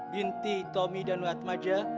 binti tomi danuatmaja